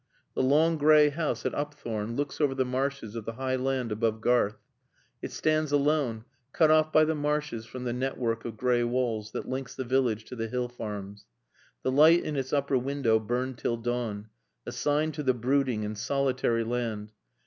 The long gray house at Upthorne looks over the marshes of the high land above Garth. It stands alone, cut off by the marshes from the network of gray walls that links the village to the hill farms. The light in its upper window burned till dawn, a sign to the brooding and solitary land.